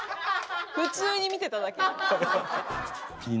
普通に見てただけ。